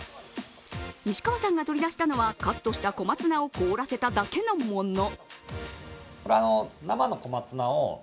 西川さんが取り出したのは、カットした小松菜を凍らせただけのもの。